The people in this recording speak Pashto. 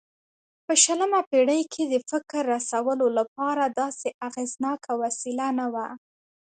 په شلمه پېړۍ کې د فکر رسولو لپاره داسې اغېزناکه وسیله نه وه.